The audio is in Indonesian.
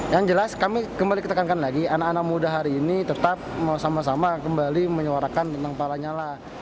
yang jelas kami kembali ketekankan lagi anak anak muda hari ini tetap mau sama sama kembali menyuarakan tentang pak lanyala